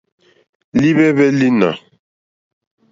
Líhwɛ́hwɛ́ lǐnà.